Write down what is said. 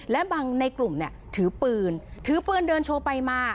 และบางในกลุ่มถือปืนเดินโชว์ไปมา